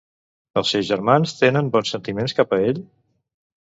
Els seus germans tenen bons sentiments cap a ell?